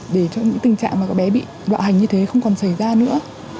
để cho những tình trạng mà các bé bị bạo hành như thế không còn xảy ra nữa